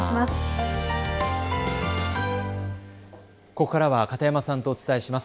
ここからは片山さんとお伝えします。